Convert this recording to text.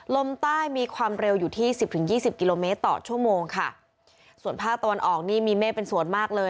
ลมใต้มีความเร็วอยู่ที่สิบถึงยี่สิบกิโลเมตรต่อชั่วโมงค่ะส่วนภาคตะวันออกนี่มีเมฆเป็นส่วนมากเลย